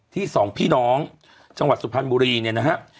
สองพี่น้องจังหวัดสุพรรณบุรีเนี่ยนะฮะ